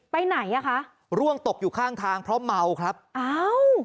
ไปไหนอ่ะคะร่วงตกอยู่ข้างทางเพราะเมาครับอ้าว